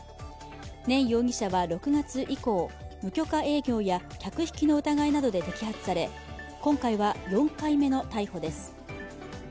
念容疑者は６月以降、無許可営業や客引きの疑いなどで摘発され、今回は４回目の逮捕です。